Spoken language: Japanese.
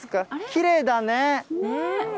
きれいだね。